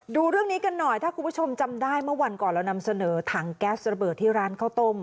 ดูเรื่องนี้กันหน่อยถ้าคุณผู้ชมจำได้เมื่อวันก่อนเรานำเสนอถังแก๊สระเบิดที่ร้านข้าวต้ม